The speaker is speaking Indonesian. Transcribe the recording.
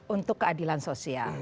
untuk keadilan sosial